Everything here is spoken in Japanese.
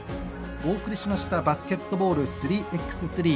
お送りしましたバスケットボール３ｘ３。